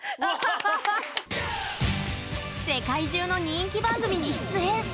世界中の人気番組に出演！